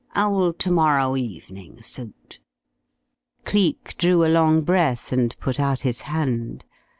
Ow'll to morrow evening suit?" Cleek drew a long breath and put out his hand.